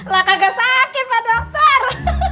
lah kagak sakit pak dokter